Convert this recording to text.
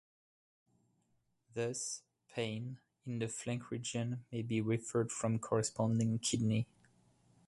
Thus, pain in the flank region may be referred from corresponding kidney.